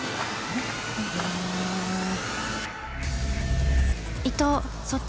えっ？